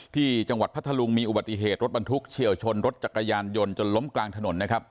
ที่จังหวัดพัทธลุงมีอุบัติเหตุรถบรรทุกเฉียวชนรถจักรยานยนต์จนล้มกลางถนนนะครับ